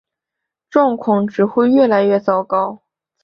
状况只会越来越糟糕